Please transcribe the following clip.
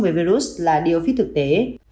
với virus là điều phí thực tế